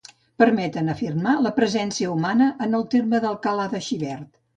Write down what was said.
permeten afirmar la presència humana en el terme d'Alcalà de Xivert